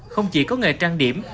không chỉ có nghề trang điểm